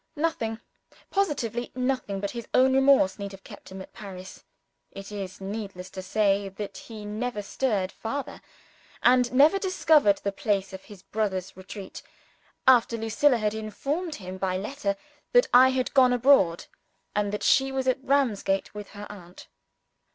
Nothing, positively nothing, but his own remorse need have kept him at Paris (it is needless to say that he never stirred farther, and never discovered the place of his brother's retreat) after Lucilla had informed him by letter, that I had gone abroad, and that she was at Ramsgate with her aunt.